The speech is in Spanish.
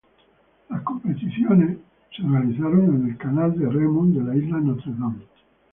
Las competiciones se realizaron en el canal de remo de la isla Notre-Dame.